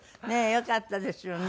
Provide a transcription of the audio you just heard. よかったですよね。